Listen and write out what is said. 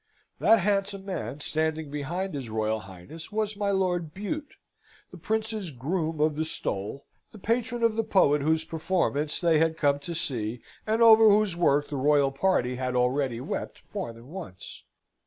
That handsome man standing behind his Royal Highness was my Lord Bute, the Prince's Groom of the Stole, the patron of the poet whose performance they had come to see, and over whose work the Royal party had already wept more than once.